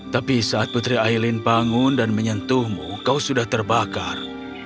tapi saat putri aileen bangun dan menyentuhmu kau sudah terbakar